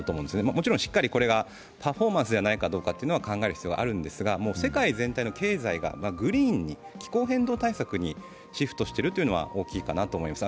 もちろんしっかりこれがパフォーマンスじゃないかどうか考える必要はあるんですが、世界全体の経済がグリーンに、気候変動対策にシフトしているというのは大きいと思います。